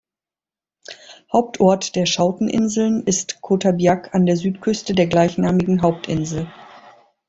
Hauptort der "Schouten-Inseln" ist Kota Biak an der Südküste der gleichnamigen Hauptinsel.